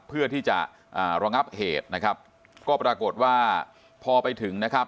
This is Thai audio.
เพื่อที่จะอ่าระงับเหตุนะครับก็ปรากฏว่าพอไปถึงนะครับ